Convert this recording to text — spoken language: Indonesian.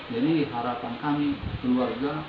jadi harapan kami keluarga